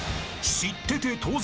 ［知ってて当然！